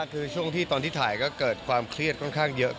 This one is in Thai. คือช่วงที่ตอนที่ถ่ายก็เกิดความเครียดค่อนข้างเยอะ